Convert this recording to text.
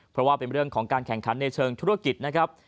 เพราะว่าเป็นเรื่องของการแข่งขันในเชิงธุรกิจนะครับ